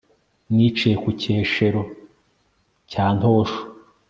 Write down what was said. niciye ku Cyeshero cya Ntosho